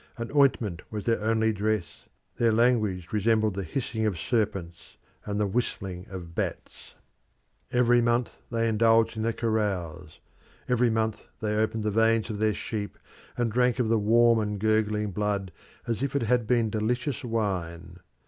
An ointment was their only dress; their language resembled the hissing of serpents and the whistling of bats. Every month they indulged in a carouse; every month they opened the veins of their sheep and drank of the warm and gurgling blood as if it had been delicious wine.